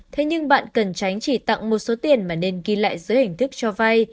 thế nhưng bạn cần tránh chỉ tặng một số tiền mà nên ghi lại dưới hình thức cho vay